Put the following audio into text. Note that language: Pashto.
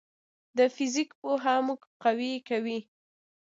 د فزیک پوهه موږ قوي کوي.